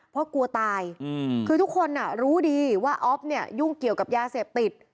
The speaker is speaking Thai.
เพราะกลัวตายคือทุกคนรู้ดีว่าอ๊อฟเนี่ยยุ่งเกี่ยวกับยาเสพติด